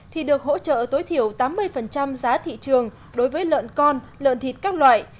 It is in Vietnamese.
thì được hỗ trợ tối thiểu tám mươi giá thị trường đối với lợn con lợn thịt các loại